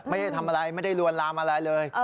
ไม่ได้ทำอะไรไม่ได้ลวนลามอะไรเลย